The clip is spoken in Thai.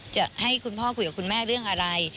จะให้คุณพ่อคุยกับคุณแม่เรื่องอะไร